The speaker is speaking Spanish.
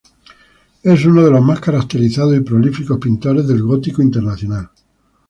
Es uno de los más caracterizados y prolíficos pintores del gótico internacional.